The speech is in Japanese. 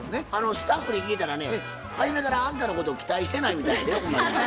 スタッフに聞いたらね初めからあんたのことを期待してないみたいやでほんまに。